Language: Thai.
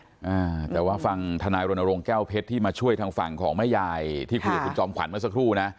อ่าแต่ว่าฟังธนายรณรงค์แก้วเพชรที่มาช่วยทางฝั่งของแม่ยายที่คุยกับคุณจอมขวัญเมื่อสักครู่นะ